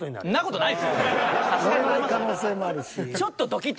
乗れない可能性もあるし。